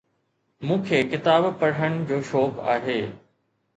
مون کي ڪتاب پڙھن جو شوق آھي.